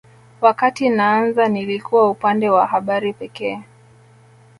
Wakati naanza nilikuwa upande wa habari pekee